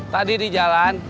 tadi di jalan